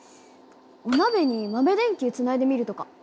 お鍋に豆電球つないでみるとか。